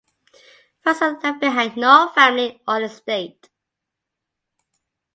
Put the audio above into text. Franson left behind no family or estate.